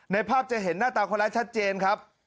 ภาพจะเห็นหน้าตาคนร้ายชัดเจนครับ